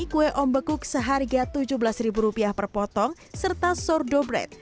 kue ombekuk seharga tujuh belas rupiah per potong serta sordo bread